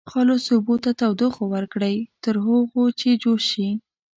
خالصو اوبو ته تودوخه ورکړئ تر هغو چې جوش شي.